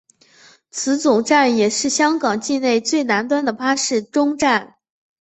此总站也是香港境内最南端的巴士终站。